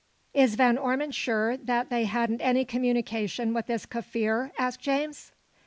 "Is Van Ormon sure that they hadn't any communication with this Kaffir?" asked James.